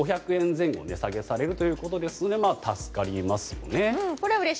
前後値下げされるということですので助かりますね。